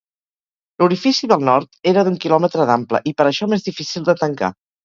L'orifici del nord era d'un quilòmetre d'ample i per això més difícil de tancar.